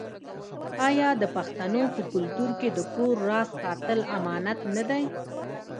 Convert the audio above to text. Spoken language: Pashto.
آیا د پښتنو په کلتور کې د کور راز ساتل امانت نه دی؟